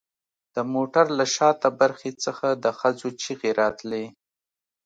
د موټر له شاته برخې څخه د ښځو چیغې راتلې